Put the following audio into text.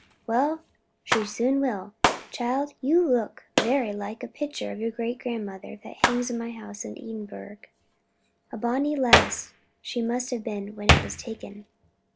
Well, she soon will. Child, you look very like a picture of your great grandmother that hangs in my house in Edinburgh. A bonny lassie she must have been when it was taken."